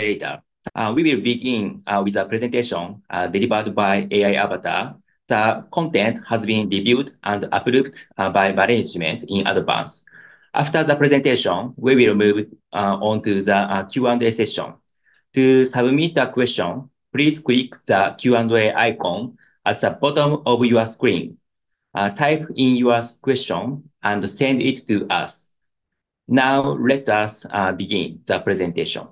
Later, we will begin with the presentation delivered by AI avatar. The content has been reviewed and approved by management in advance. After the presentation, we will move on to the Q&A session. To submit a question, please click the Q&A icon at the bottom of your screen. Type in your question and send it to us. Now, let us begin the presentation.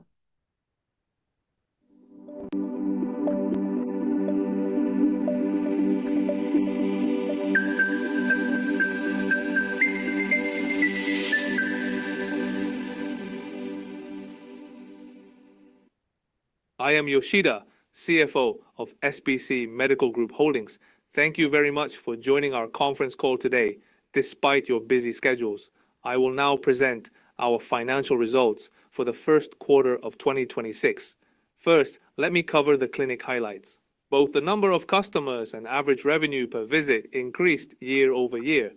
I am Yoshida, CFO of SBC Medical Group Holdings. Thank you very much for joining our conference call today, despite your busy schedules. I will now present our financial results for the first quarter of 2026. First, let me cover the clinic highlights. Both the number of customers and average revenue per visit increased year-over-year,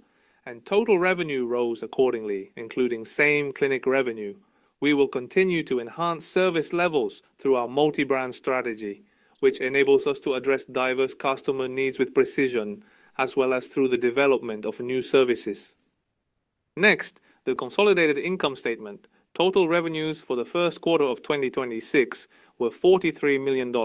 and total revenue rose accordingly, including same clinic revenue. We will continue to enhance service levels through our multi-brand strategy, which enables us to address diverse customer needs with precision, as well as through the development of new services. Next, the consolidated income statement. Total revenues for the first quarter of 2026 were $43 million.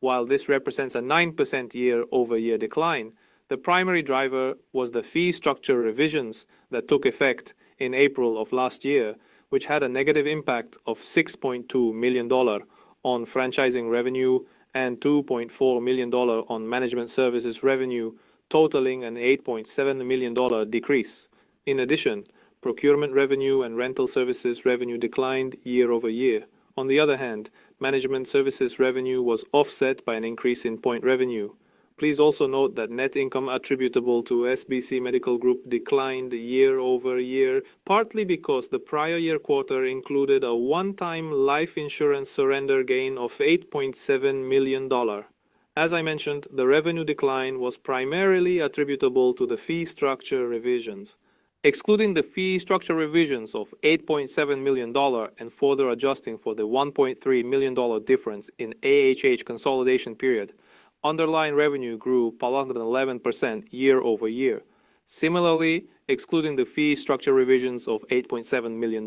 While this represents a 9% year-over-year decline, the primary driver was the fee structure revisions that took effect in April of last year, which had a negative impact of $6.2 million on franchising revenue and $2.4 million on management services revenue, totaling a $8.7 million decrease. In addition, procurement revenue and rental services revenue declined year-over-year. On the other hand, management services revenue was offset by an increase in point revenue. Please also note that net income attributable to SBC Medical Group declined year-over-year, partly because the prior year quarter included a one-time life insurance surrender gain of $8.7 million. As I mentioned, the revenue decline was primarily attributable to the fee structure revisions. Excluding the fee structure revisions of $8.7 million and further adjusting for the $1.3 million difference in AHH consolidation period, underlying revenue grew +11% year-over-year. Similarly, excluding the fee structure revisions of $8.7 million,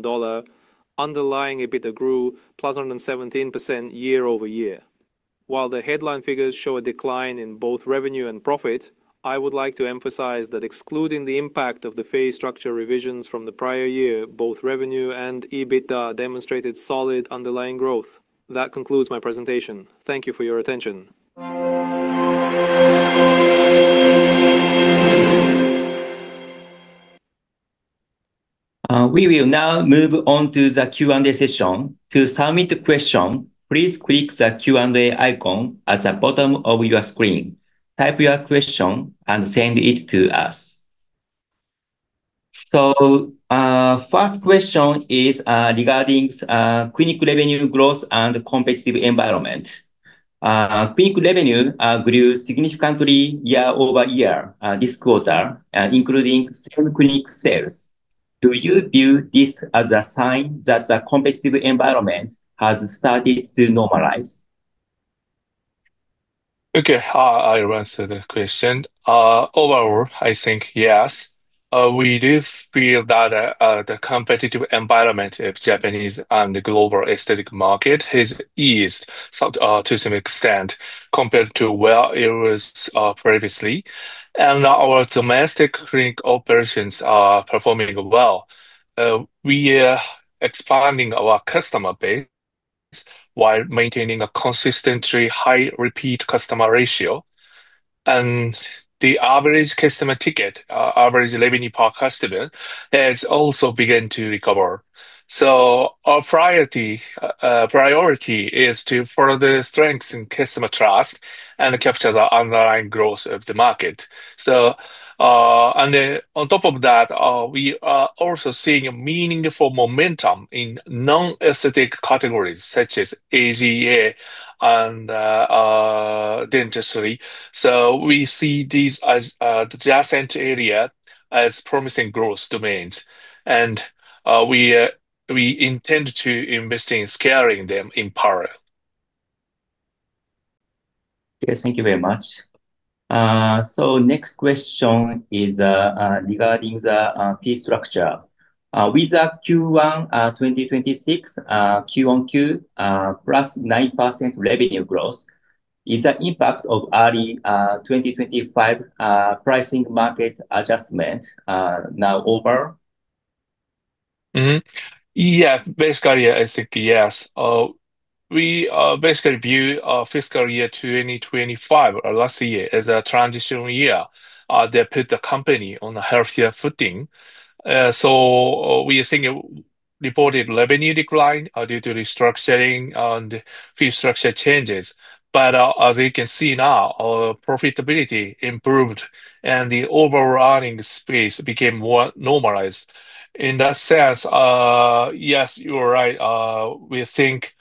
underlying EBITDA grew +17% year-over-year. While the headline figures show a decline in both revenue and profit, I would like to emphasize that excluding the impact of the fee structure revisions from the prior year, both revenue and EBITDA demonstrated solid underlying growth. That concludes my presentation. Thank you for your attention. We will now move on to the Q&A session. To submit a question, please click the Q&A icon at the bottom of your screen. Type your question and send it to us. First question is regarding clinic revenue growth and the competitive environment. Clinic revenue grew significantly year-over-year this quarter, including same clinic sales. Do you view this as a sign that the competitive environment has started to normalize? Okay. I'll answer the question. Overall, I think yes. We do feel that the competitive environment of Japanese and the global aesthetic market has eased to some extent compared to where it was previously. Our domestic clinic operations are performing well. We are expanding our customer base while maintaining a consistently high repeat customer ratio. The average customer ticket, average revenue per customer, has also begun to recover. Our priority is to further strengthen customer trust and capture the underlying growth of the market. On top of that, we are also seeing a meaningful momentum in non-aesthetic categories such as AGA and dentistry. We see these as the adjacent area as promising growth domains. We intend to invest in scaling them in parallel. Yes, thank you very much. Next question is regarding the fee structure. With the Q1 2026 QoQ plus 9% revenue growth, is the impact of early 2025 pricing market adjustment now over? Mm-hmm. Yeah. Basically, I think yes. We basically view fiscal year 2025 last year as a transitional year that put the company on a healthier footing. We are seeing a reported revenue decline due to restructuring and fee structure changes. As you can see now, our profitability improved, and the overall earnings base became more normalized. In that sense, yes, you are right. We think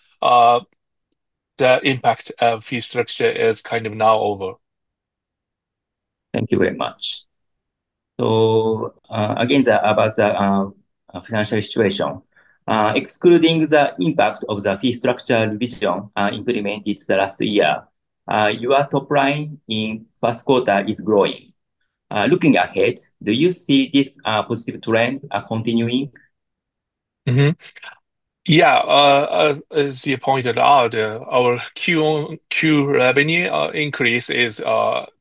the impact of fee structure is kind of now over. Thank you very much. Again, about the financial situation. Excluding the impact of the fee structure revision, implemented last year, your top line in first quarter is growing. Looking ahead, do you see this positive trend continuing? Yeah, as you pointed out, our QoQ revenue increase is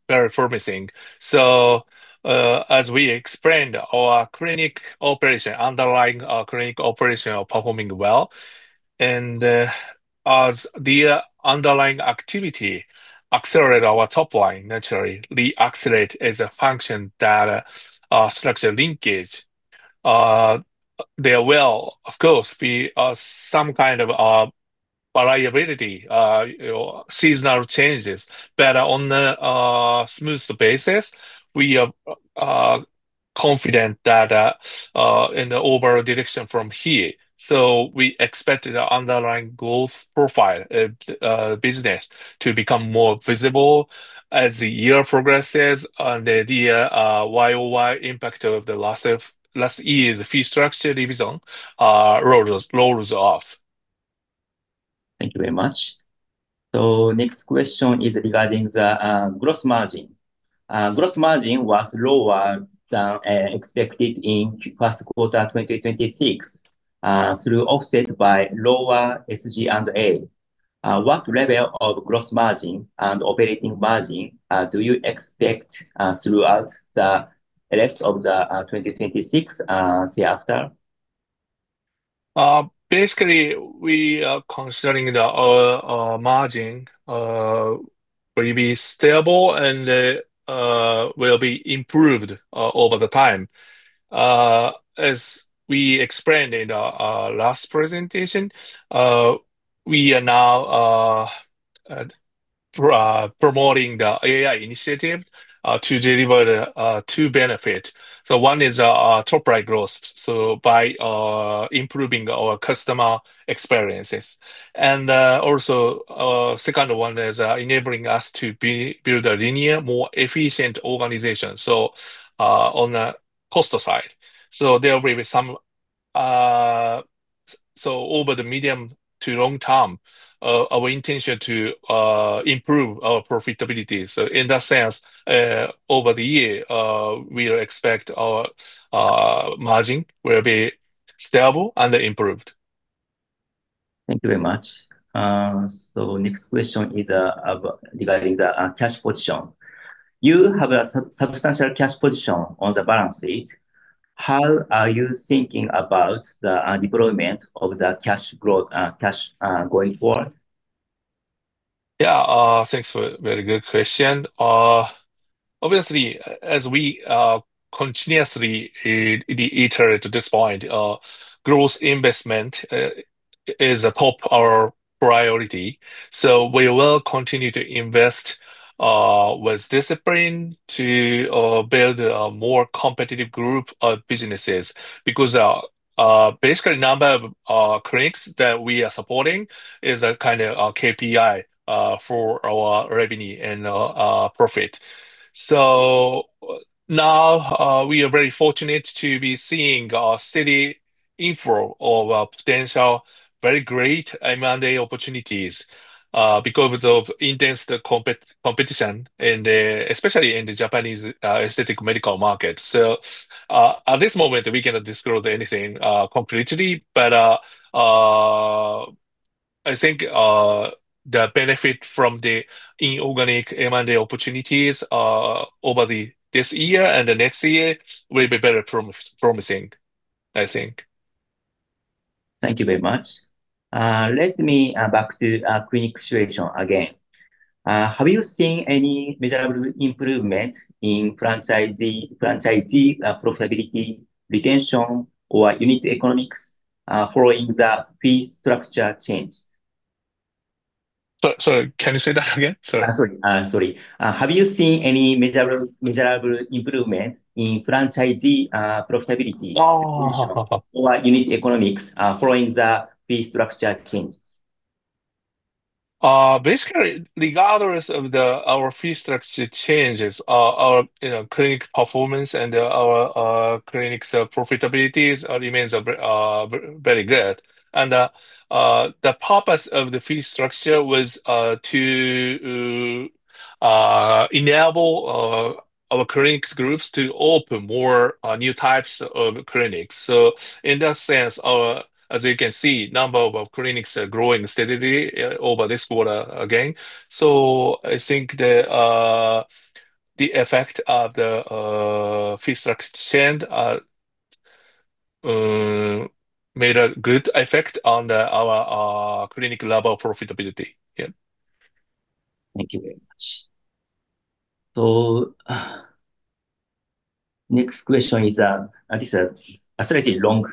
very promising. As we explained, our clinic operation, underlying clinic operation are performing well. As the underlying activity accelerate our top line, naturally the accelerate is a function that structures linkage. There will of course be some kind of variability or seasonal changes, but on a smoother basis, we are confident that in the overall direction from here. We expect the underlying growth profile of the business to become more visible as the year progresses and the YoY impact of the last year's fee structure revision lowers off. Thank you very much. Next question is regarding the gross margin. Gross margin was lower than expected in first quarter 2026, through offset by lower SG&A. What level of gross margin and operating margin do you expect throughout the rest of the 2026 hereafter? Basically we are considering the margin will be stable and will be improved over the time. As we explained in our last presentation, we are now promoting the AI initiative to deliver the two benefit. One is top line growth, by improving our customer experiences. Also, second one is enabling us to build a linear, more efficient organization on the cost side. There will be some. Over the medium to long term, our intention to improve our profitability. In that sense, over the year, we'll expect our margin will be stable and improved. Thank you very much. Next question is regarding the cash position. You have a substantial cash position on the balance sheet. How are you thinking about the deployment of the cash going forward? Yeah. Thanks for a very good question. Obviously as we continuously iterate to this point, growth investment is top our priority. We will continue to invest with discipline to build a more competitive group of businesses because basically number of clinics that we are supporting is a kind of a KPI for our revenue and profit. Now, we are very fortunate to be seeing a steady inflow of potential very great M&A opportunities because of intense competition in the, especially in the Japanese aesthetic medical market. I think the benefit from the inorganic M&A opportunities over the this year and the next year will be very promising, I think. Thank you very much. Let me back to our clinic situation again. Have you seen any measurable improvement in franchisee profitability, retention or unit economics following the fee structure change? Can you say that again? Sorry. Sorry. Sorry. Have you seen any measurable improvement in franchisee profitability? Oh. Unit economics, following the fee structure changes? Basically, regardless of our fee structure changes, our, you know, clinic performance and our clinic's profitability remains very good. The purpose of the fee structure was to enable our clinics groups to open more new types of clinics. In that sense, as you can see, number of clinics are growing steadily over this quarter again. I think the effect of the fee structure change made a good effect on our clinic level profitability. Thank you very much. Next question is, this is a slightly long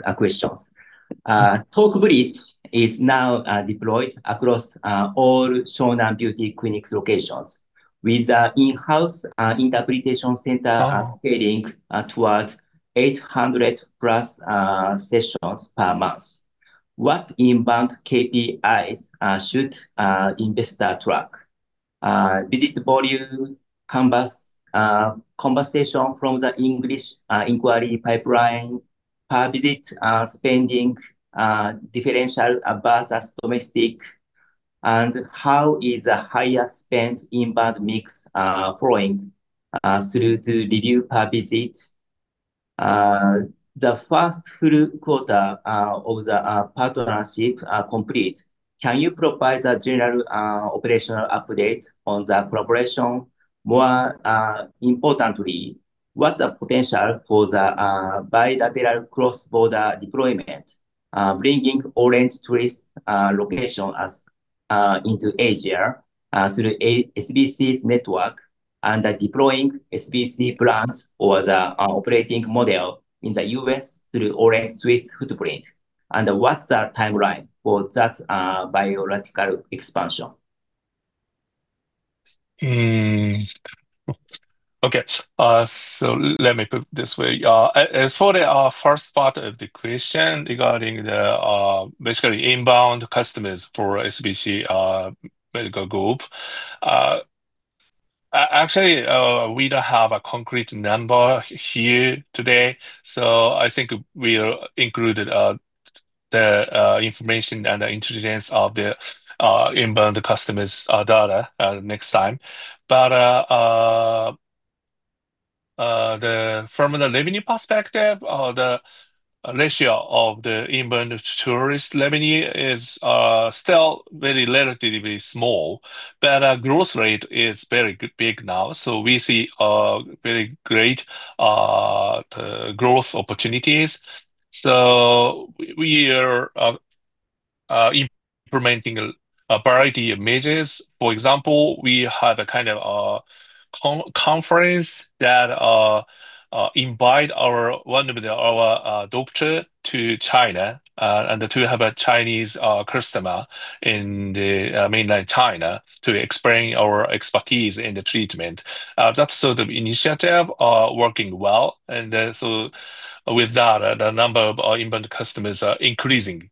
questions. Talk Bridge is now deployed across all Shonan Beauty Clinic locations with a in-house interpretation center scaling towards 800+ sessions per month. What inbound KPIs should investor track? Visit volume, conversions, conversation from the English inquiry pipeline per visit, spending differential versus domestic, and how is the higher spent inbound mix flowing through the revenue per visit. The first full quarter of the partnership are complete. Can you provide the general operational update on the collaboration? More importantly, what the potential for the bilateral cross-border deployment, bringing OrangeTwist location as into Asia through SBC's network and deploying SBC plans or the operating model in the U.S. through OrangeTwist footprint? And what's the timeline for that bilateral expansion? Okay. Let me put it this way. As for the first part of the question regarding the basically inbound customers for SBC Medical Group, actually, we don't have a concrete number here today. I think we'll include the information and the intelligence of the inbound customers' data next time. From the revenue perspective, the ratio of the inbound tourist revenue is still very relatively small, but our growth rate is very big now. We see very great growth opportunities. We are implementing a variety of measures. For example, we had a kind of a conference that invited one of our doctors to China and to have a Chinese customer in the mainland China to explain our expertise in the treatment. That sort of initiative is working well. With that, the number of our inbound customers are increasing.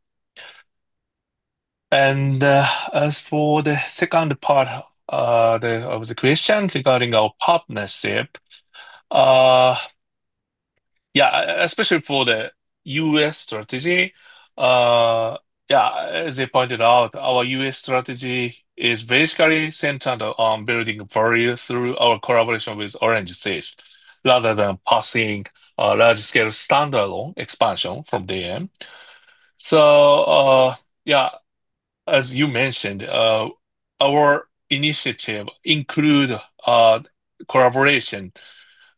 As for the second part of the question regarding our partnership, especially for the U.S. strategy, as you pointed out, our U.S. strategy is basically centered on building value through our collaboration with OrangeTwist rather than pursuing a large-scale standalone expansion from them. As you mentioned, our initiative includes collaboration,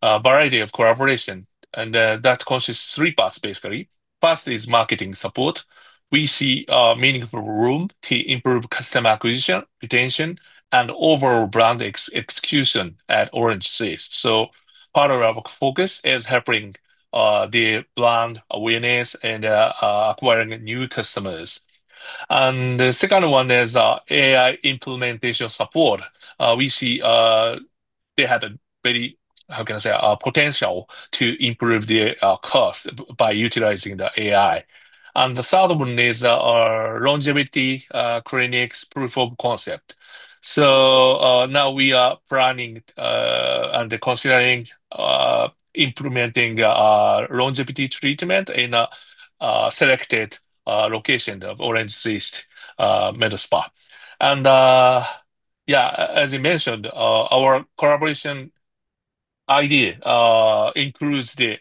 a variety of collaboration, that consists three parts, basically. First is marketing support. We see meaningful room to improve customer acquisition, retention and overall brand execution at OrangeTwist. Part of our focus is helping the brand awareness and acquiring new customers. The second one is AI implementation support. We see they have a very, how can I say, potential to improve their cost by utilizing the AI. The third one is our longevity clinics proof of concept. Now we are planning and considering implementing longevity treatment in a selected location of OrangeTwist med spa. Yeah, as you mentioned, our collaboration idea includes the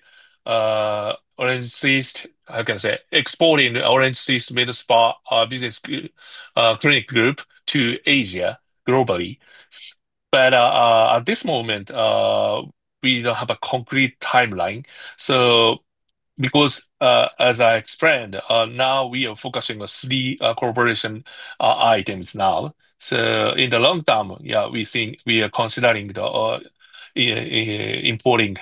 OrangeTwist, how can I say, exporting OrangeTwist med spa business clinic group to Asia globally. At this moment, we don't have a concrete timeline. Because as I explained, now we are focusing on three collaboration items now. In the long term, we think we are considering the importing the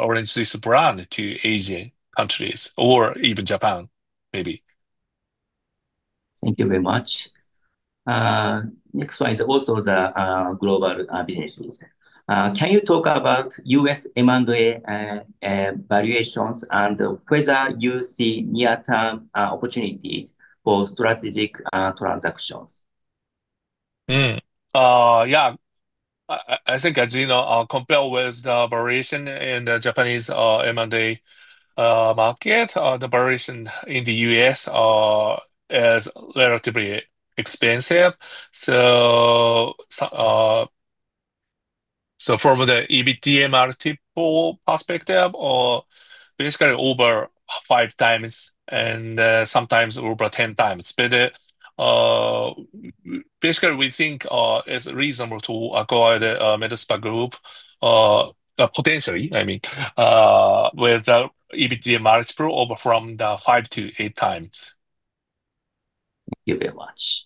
OrangeTwist brand to Asian countries or even Japan, maybe. Thank you very much. Next one is also the global businesses. Can you talk about U.S. M&A valuations and whether you see near-term opportunities for strategic transactions? Yeah. I think, as you know, compared with the valuation in the Japanese M&A market, the valuation in the U.S. is relatively expensive. From the EBITDA multiple perspective or basically over 5x and sometimes over 10x. Basically, we think it's reasonable to acquire the med spa group, potentially, I mean, with the EBITDA multiple over from the 5x to 8x. Thank you very much.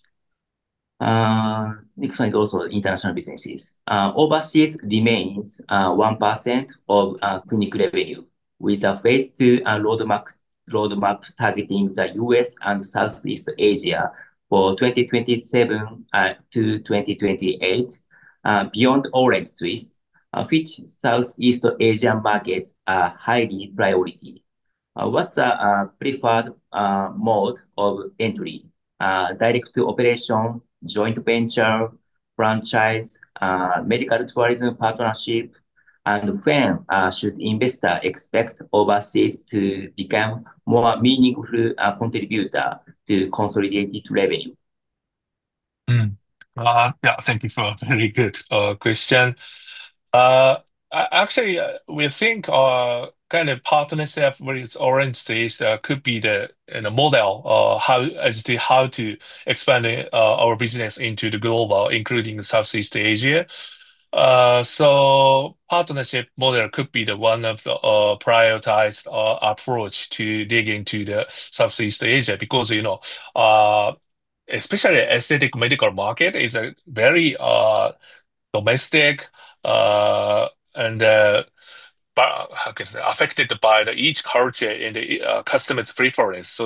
Next one is also international businesses. Overseas remains 1% of clinic revenue with a Phase 2 roadmap targeting the U.S. and Southeast Asia for 2027 to 2028. Beyond OrangeTwist, which Southeast Asian market are highly priority? What's the preferred mode of entry? Direct to operation, joint venture, franchise, medical tourism partnership, and when should investor expect overseas to become more meaningful contributor to consolidated revenue? Yeah, thank you for a very good question. Actually, we think kind of partnership with OrangeTwist could be the, you know, model as to how to expand our business into the global, including Southeast Asia. Partnership model could be the one of the prioritized approach to dig into Southeast Asia because, you know, especially aesthetic medical market is a very domestic and, how can I say, affected by the each culture and the customer's preference.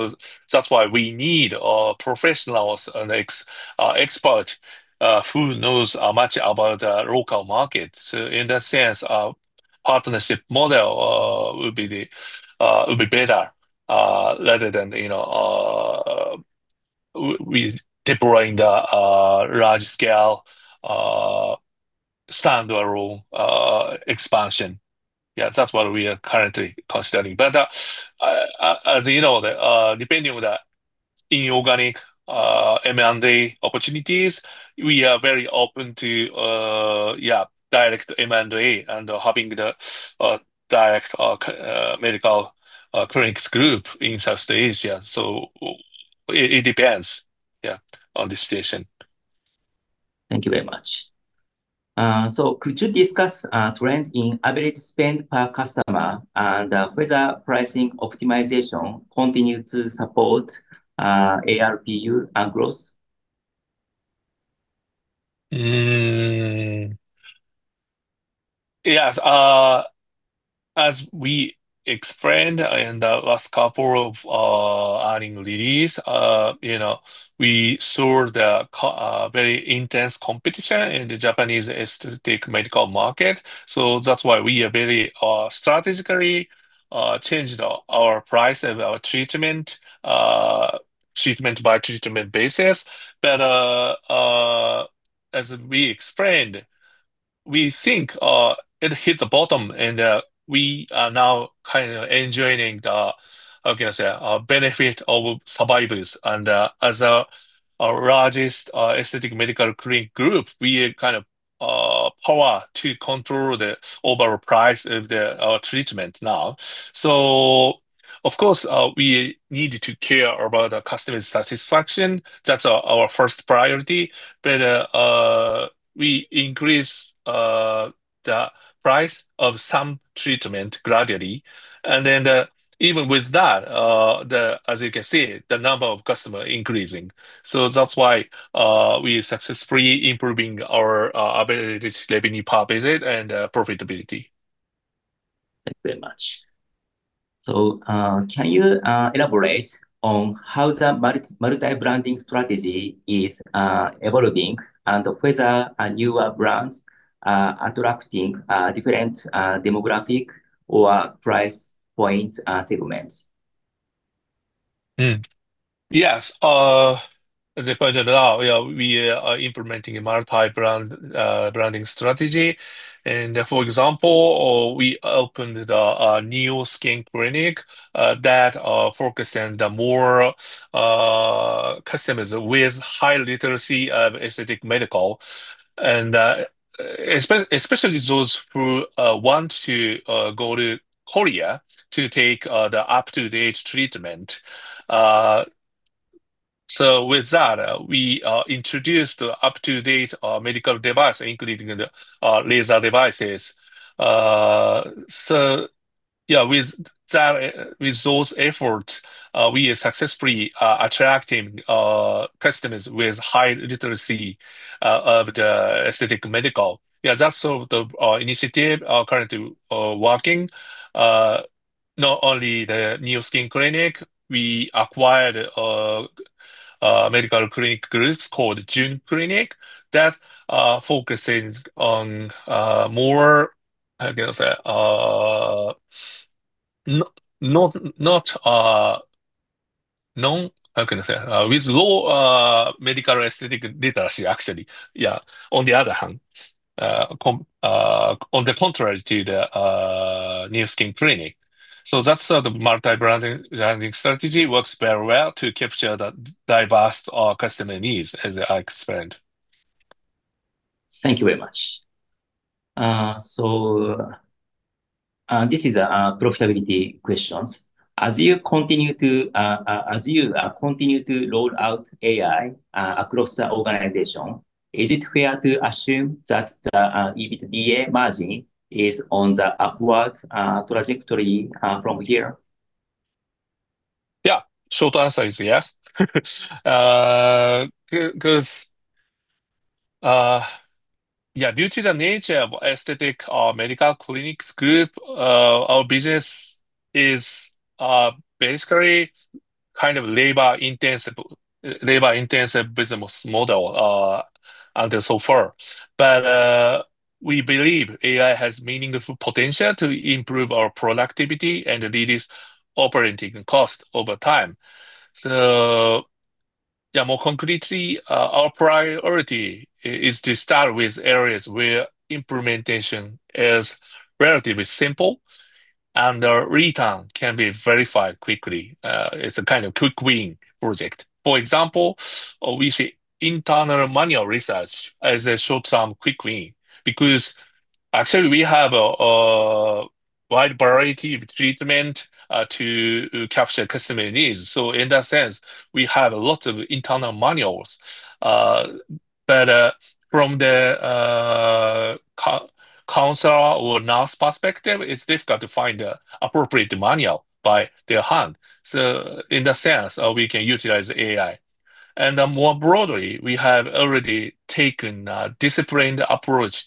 That's why we need professionals and expert who knows much about the local market. In that sense, partnership model would be the would be better rather than, you know, with deploying the large scale, standalone expansion. Yeah, that's what we are currently considering. As, you know, depending on the inorganic M&A opportunities, we are very open to direct M&A and having the direct medical clinics group in Southeast Asia. It depends on the situation. Thank you very much. Could you discuss trend in average spend per customer and whether pricing optimization continue to support ARPU and growth? Yes, as we explained in the last couple of earning release, you know, we saw the very intense competition in the Japanese aesthetic medical market. That's why we are very strategically changed our price of our treatment by treatment basis. As we explained, we think it hit the bottom and we are now kind of enjoying the, how can I say, benefit of survivors. As our largest aesthetic medical clinic group, we are kind of power to control the overall price of the treatment now. Of course, we need to care about the customer satisfaction. That's our first priority. We increase the price of some treatment gradually. The even with that, the, as you can see, the number of customer increasing. That's why, we successfully improving our, average revenue per visit and, profitability. Thank you very much. Can you elaborate on how the multi-branding strategy is evolving and whether a newer brand attracting different demographic or price point segments? Hmm. Yes. As you pointed out, yeah, we are implementing a multi-brand branding strategy. For example, we opened a NEO Skin Clinic that are focusing the more customers with high literacy of aesthetic medical and especially those who want to go to Korea to take the up-to-date treatment. With that, we introduced the up-to-date medical device, including the laser devices. Yeah, with that, with those efforts, we are successfully attracting customers with high literacy of the aesthetic medical. Yeah, that's sort of the initiative are currently working. Not only the NEO Skin Clinic, we acquired a medical clinic groups called JUN CLINIC that focuses on more, how can I say, non, how can I say? With low medical aesthetic literacy, actually. On the other hand, on the contrary to the NEO Skin Clinic. That's how the multi-branding, branding strategy works very well to capture the diverse customer needs, as I explained. Thank you very much. This is profitability questions. As you continue to roll out AI across the organization, is it fair to assume that the EBITDA margin is on the upward trajectory from here? Yeah. Short answer is yes. Due to the nature of aesthetic medical clinics group, our business is basically kind of labor intensive business model until so far. We believe AI has meaningful potential to improve our productivity and reduce operating cost over time. More concretely, our priority is to start with areas where implementation is relatively simple and the return can be verified quickly. It's a kind of quick win project. For example, we see internal manual research as a short-term quick win because actually we have a wide variety of treatment to capture customer needs. In that sense, we have lots of internal manuals. From the counselor or nurse perspective, it's difficult to find the appropriate manual by their hand. In that sense, we can utilize AI. More broadly, we have already taken a disciplined approach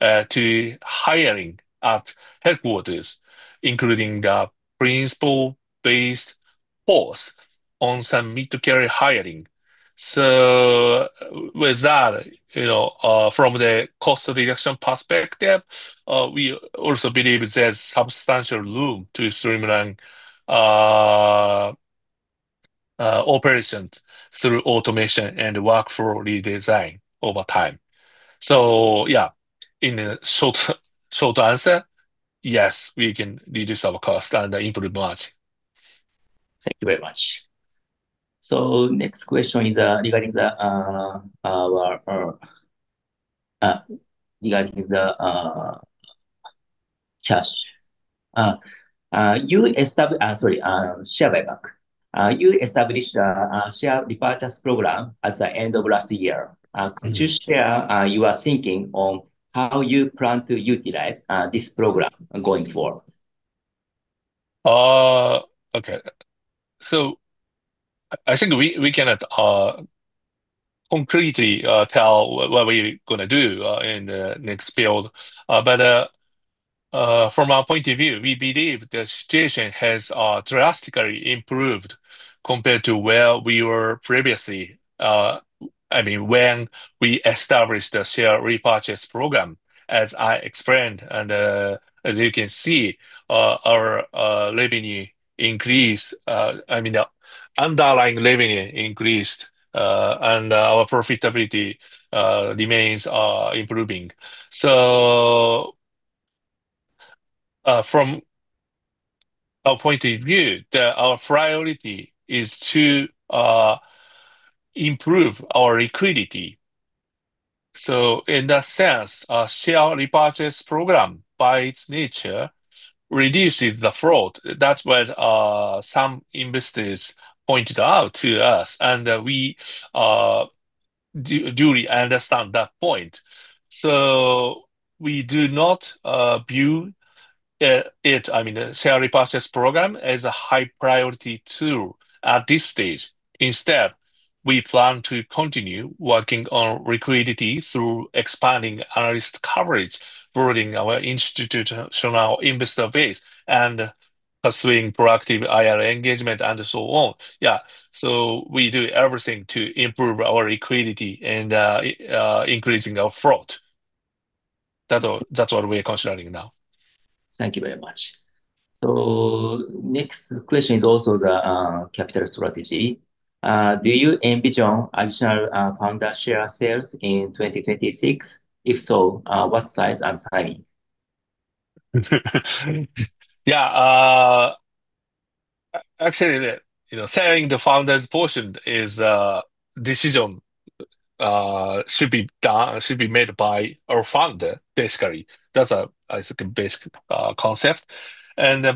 to hiring at headquarters, including the principle-based pause on some mid-career hiring. With that, you know, from the cost reduction perspective, we also believe there's substantial room to streamline operations through automation and workflow redesign over time. Yeah, in a short answer, yes, we can reduce our cost and improve margin. Thank you very much. Next question is regarding the cash. Share buyback. You established a share repurchase program at the end of last year. Could you share your thinking on how you plan to utilize this program going forward? Okay. I think we cannot concretely tell what we're gonna do in the next build. From our point of view, we believe the situation has drastically improved compared to where we were previously, I mean, when we established the share repurchase program, as I explained and, as you can see, our revenue increased. I mean, the underlying revenue increased, and our profitability remains improving. From our point of view, our priority is to improve our liquidity. In that sense, a share repurchase program, by its nature, reduces the float. That's what some investors pointed out to us, and we duly understand that point. We do not view it, I mean the share repurchase program, as a high priority tool at this stage. Instead, we plan to continue working on liquidity through expanding analyst coverage, building our institutional investor base, and pursuing proactive IR engagement and so on. We do everything to improve our liquidity and increasing our float. That's all, that's what we're concentrating now. Thank you very much. Next question is also the capital strategy. Do you envision additional founder share sales in 2026? If so, what size and timing? Yeah. Actually, you know, selling the founder's portion is a decision should be made by our founder, basically. It's like a basic concept. Even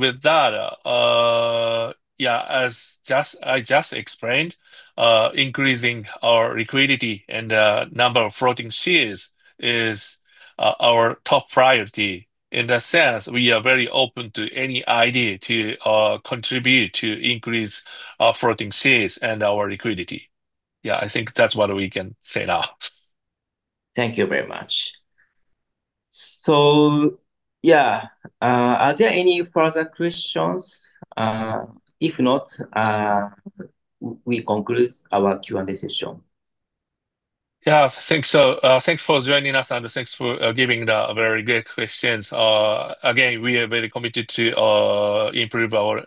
with that, as I just explained, increasing our liquidity and the number of floating shares is our top priority. In that sense, we are very open to any idea to contribute to increase our floating shares and our liquidity. I think that's what we can say now. Thank you very much. Yeah, are there any further questions? If not, we conclude our Q&A session. Yeah. Thanks, thanks for joining us, and thanks for giving the very great questions. Again, we are very committed to improve our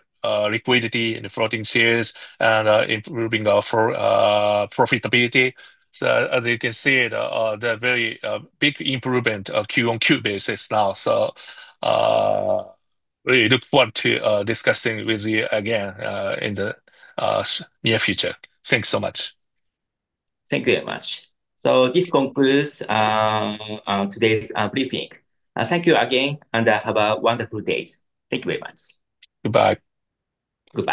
liquidity and the floating shares and improving our profitability. As you can see, the very big improvement of QoQ basis now. Really look forward to discussing with you again in the near future. Thanks so much. Thank you very much. This concludes today's briefing. Thank you again, and have a wonderful day. Thank you very much. Goodbye. Goodbye.